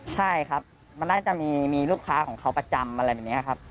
ถ้าเป็นขาเล่นใช่ครับมันได้จะมีลูกค้าของเขาประจำอะไรแบบเนี้ยครับ